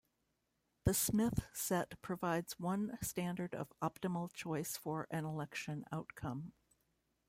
The Smith set provides one standard of optimal choice for an election outcome.